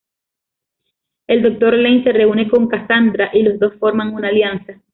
El Dr. Lane se reúne con Casandra, y los dos forman una alianza.